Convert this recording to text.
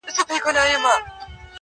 چي یې ټول خپلوان کړل قتل زړه یې سوړ سو٫